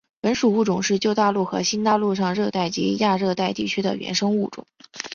本属物种是旧大陆和新大陆上热带及亚热带地区的原生物种。